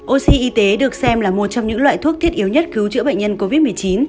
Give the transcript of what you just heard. oxy y tế được xem là một trong những loại thuốc thiết yếu nhất cứu chữa bệnh nhân covid một mươi chín